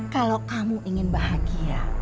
kalau kamu ingin bahagia